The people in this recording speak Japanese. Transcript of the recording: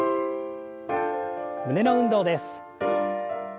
胸の運動です。